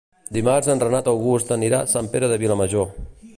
Dimarts en Renat August anirà a Sant Pere de Vilamajor.